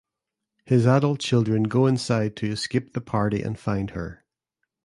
His adult children go inside to escape the party and find her.